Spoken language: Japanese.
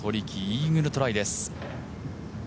イーグルトライです。